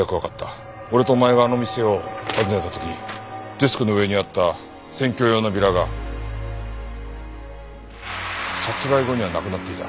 俺とお前があの店を訪ねた時デスクの上にあった選挙用のビラが殺害後にはなくなっていた。